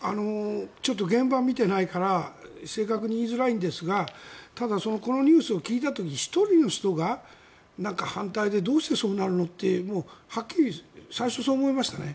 現場を見てないから正確に言いづらいんですがただ、このニュースを聞いた時に１人の人が反対でどうしてそうなるのってはっきり最初そう思いましたね。